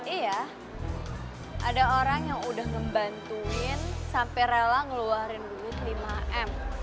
iya ada orang yang udah ngebantuin sampai rela ngeluarin duit lima m